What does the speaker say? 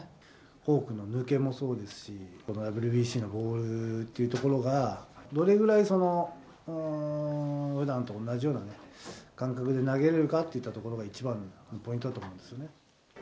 フォークの抜けもそうですし、このＷＢＣのボールっていうところが、どれくらいそのふだんと同じような感覚で投げられるかといったところが一番のポイントだと思いますね。